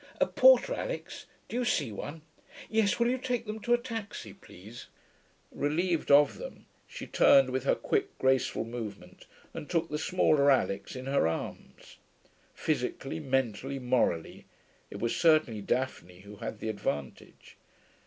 A porter, Alix. Do you see one? Yes, will you take them to a taxi, please.' Relieved of them, she turned with her quick, graceful movement and took the smaller Alix in her arms. Physically, mentally, morally, it was certainly Daphne who had the advantage.